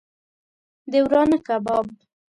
د ورانه کباب